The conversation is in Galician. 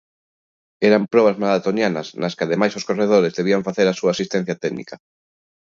Eran probas maratonianas nas que ademais os corredores debían facer a súa asistencia técnica.